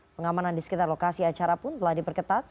pengamanan di sekitar lokasi acara pun telah diperketat